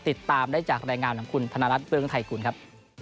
ติดตามได้จากรายงานของคุณธนรัฐเบื้องไทยกุลครับ